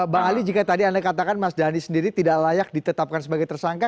bang ali jika tadi anda katakan mas dhani sendiri tidak layak ditetapkan sebagai tersangka